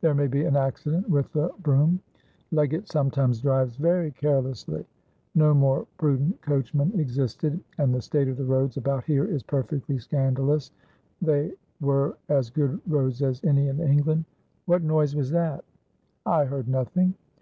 "There may be an accident with the brougham. Leggatt sometimes drives very carelessly" no more prudent coachman existed"and the state of the roads about here is perfectly scandalous"they were as good roads as any in England. "What noise was that?" "I heard nothing."